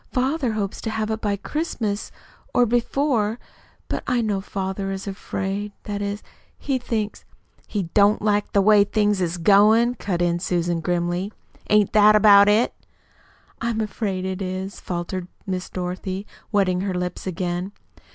Father hopes to have it by Christmas, or before; but I know father is afraid that is he thinks " "He don't like the way things is goin'," cut in Susan grimly. "Ain't that about it?" "I'm afraid it is," faltered Miss Dorothy, wetting her lips again.